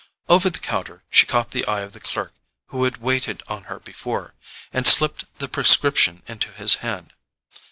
Over the counter she caught the eye of the clerk who had waited on her before, and slipped the prescription into his hand.